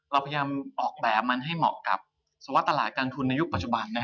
เราพยายามออกแบบมันให้เหมาะกับสวรรตลาดการทุนในยุคปัจจุบัน